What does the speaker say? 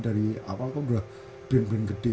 dari awal kan udah brand brand gede